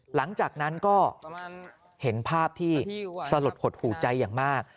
หลังจากนั้นก็เห็นภาพที่สลดหดหูใจอย่างมาก